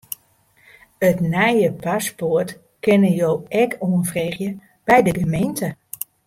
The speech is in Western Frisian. It nije paspoart kinne jo ek oanfreegje by de gemeente.